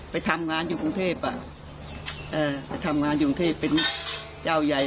ไปทำงานอยู่กรุงเทพอ่ะเอ่อไปทำงานอยู่กรุงเทพเป็นเจ้าใหญ่